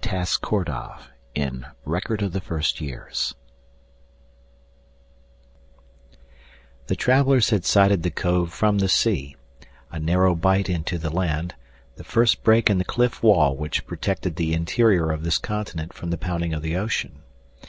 TAS KORDOV, Record of the First Years 1 SHOOTING STAR The travelers had sighted the cove from the sea a narrow bite into the land, the first break in the cliff wall which protected the interior of this continent from the pounding of the ocean.